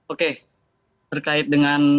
oke terkait dengan